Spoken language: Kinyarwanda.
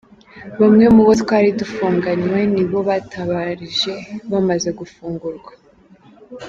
Bamwe mubo twari dufunganywe nibo bantabarije bamaze gufungurwa